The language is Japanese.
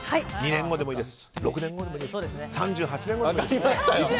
３８年後でもいいです。